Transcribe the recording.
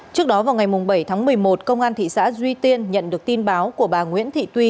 trước đó vào ngày bảy tháng một mươi một công an thị xã duy tiên nhận được tin báo của bà nguyễn thị tuy